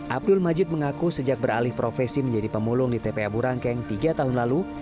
abdul majid mengaku sejak beralih profesi menjadi pemulung di tpa burangkeng tiga tahun lalu